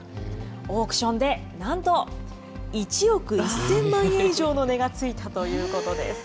オークションでなんと、１億１０００万円以上の値がついたということです。